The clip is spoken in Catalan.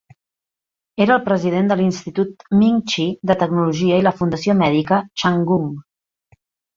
Era el president de l'Institut Ming-chi de Tecnologia i la Fundació Mèdica Chang Gung.